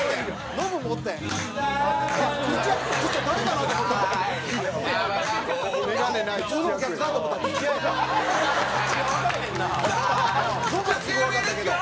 「ノブはすぐわかったけど」